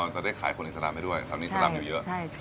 อ๋อจะได้ขายคนอิสลามให้ด้วยอันนี้อิสลามอยู่เยอะ